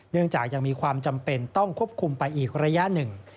ยังจากยังมีความจำเป็นต้องควบคุมไปอีกระยะหนึ่ง